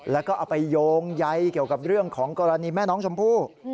แล้วก็เอาไปโยงใยเกี่ยวกับเรื่องของกรณีแม่น้องชมพู่